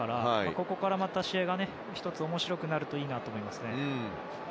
ここから試合がまた１つ面白くなるといいなと思いますね。